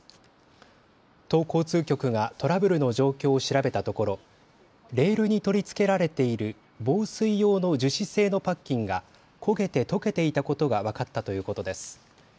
都交通局がトラブルの状況を調べたところレールに取り付けられている防水用の樹脂製のパッキンが焦げて溶けていたことが分かったということです。